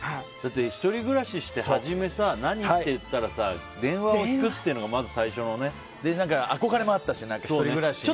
１人暮らしして、初め何っていったら電話を引くっていうのが憧れもあったし、１人暮らし。